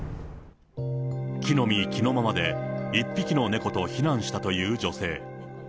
着のみ着のままで１匹の猫と避難したという女性。